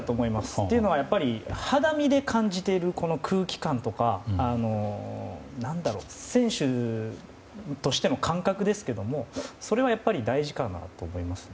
というのは肌身で感じている空気感とか選手としての感覚ですけどもそれは大事かなと思いますね。